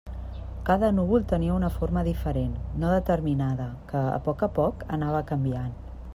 Cada núvol tenia una forma diferent, no determinada, que, a poc a poc, anava canviant.